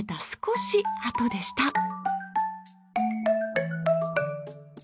少しあとでした。